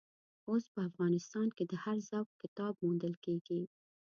اوس په افغانستان کې د هر ذوق کتاب موندل کېږي.